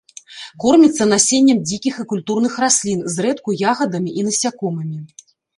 Корміцца насеннем дзікіх і культурных раслін, зрэдку ягадамі і насякомымі.